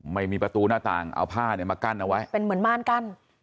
ไม่มีประตูหน้าต่างเอาผ้าในมคั่นเอาไว้เหมือน้านกัน